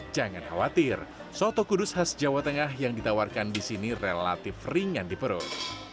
jangan khawatir soto kudus khas jawa tengah yang ditawarkan di sini relatif ringan di perut